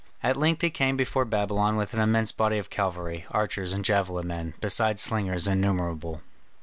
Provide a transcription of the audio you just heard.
At length he came before Babylon with an immense body of cavalry, archers, and javelin men, beside slingers innumerable.